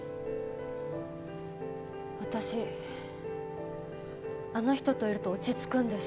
私あの人といると落ち着くんです！